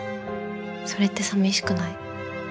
それって寂しくない？